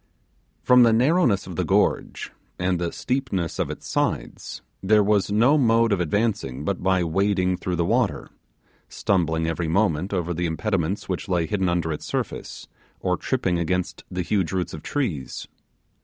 From the narrowness of the gorge, and the steepness of its sides, there was no mode of advancing but by wading through the water; stumbling every moment over the impediments which lay hidden under its surface, or tripping against the huge roots of trees.